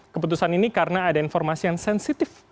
keputusan ini karena ada informasi yang sensitif